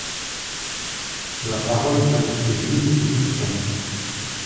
La parole est à Monsieur Gilles Lurton.